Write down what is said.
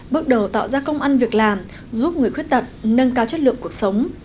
bước đầu tạo ra công ăn việc làm giúp người khuyết tật nâng cao chất lượng cuộc sống